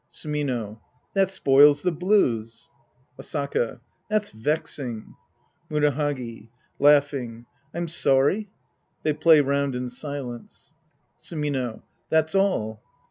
Sumino. That spoils the blues. Asaka. That's vexing. Murahagi {laughing). I'm sorry. {They play round in silence^ Sumino. That's all.